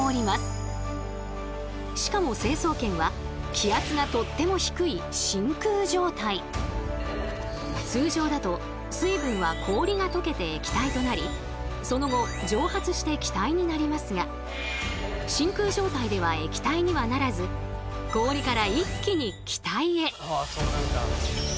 しかも成層圏は気圧がとっても低い通常だと水分は氷が解けて液体となりその後蒸発して気体になりますが真空状態では液体にはならず氷から一気に気体へ。